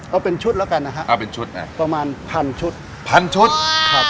เอาเป็นชุดแล้วกันนะฮะเอาเป็นชุดอ่ะประมาณพันชุดพันชุดครับ